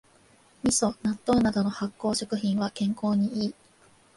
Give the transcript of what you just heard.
みそ、納豆などの発酵食品は健康にいい